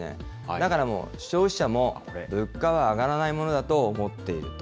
だからもう、消費者もこれ、物価は上がらないものだと思っていると。